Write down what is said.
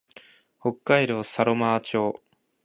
北海道佐呂間町